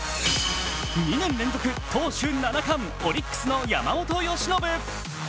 ２年連続投手７冠、オリックスの山本由伸。